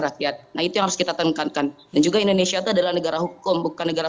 rakyat nah itu harus kita tekankan dan juga indonesia adalah negara hukum bukan negara